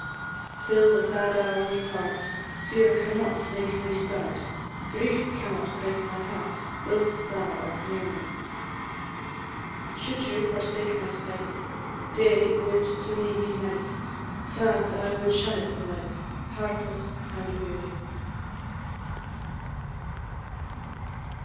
Till the sad hour we part, Fear cannot make me start; Grief cannot break my heart Whilst thou art near me. Should you forsake my sight, Day would to me be night; Sad, I would shun its light, Heartless and weary.